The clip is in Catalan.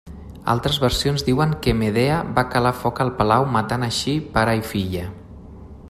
Altres versions diuen que Medea va calar foc al palau matant així pare i filla.